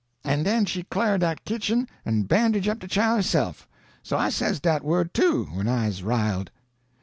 an' den she clar' dat kitchen an' bandage' up de chile herse'f. So I says dat word, too, when I's riled.